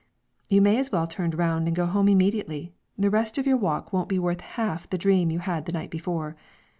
You may as well turn round and go home immediately; the rest of your walk won't be worth half the dream you had the night before.